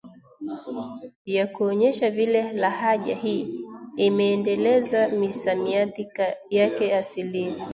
ya kuonyesha vile lahaja hii imeendeleza misamiati yake asilia